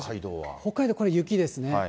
北海道はこれ、雪ですね。